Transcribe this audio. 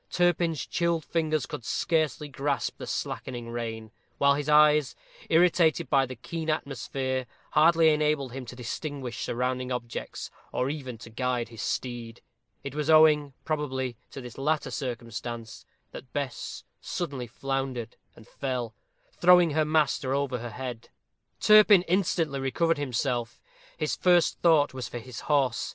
Turpin's chilled fingers could scarcely grasp the slackening rein, while his eyes, irritated by the keen atmosphere, hardly enabled him to distinguish surrounding objects, or even to guide his steed. It was owing, probably, to this latter circumstance, that Bess suddenly floundered and fell, throwing her master over her head. Turpin instantly recovered himself. His first thought was for his horse.